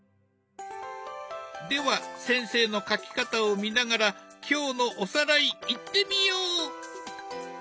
では先生の描き方を見ながら今日のおさらいいってみよう！